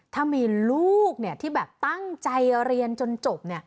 ถ้ามีลูกเนี่ยที่แบบตั้งใจเรียนจนจบเนี่ย